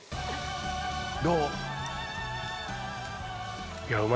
どう？